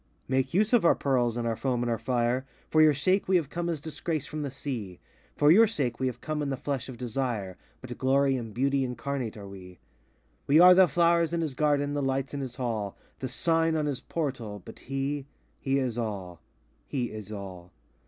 93 Make use of our pearls, and our foam, and our fire; For your sake we have come as Disgrace from the Sea;— For your sake we have come in the flesh of Desire, But glory and beauty incarnate are we. We are the flowers in his Garden, the lights in his Hall, The sign on his Portal, but he, he is all,—he is all!